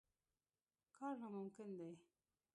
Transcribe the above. کار ناممکن دی.